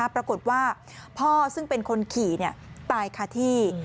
ปรากฏว่าพ่อซึ่งเป็นคนขี่ตายคาที่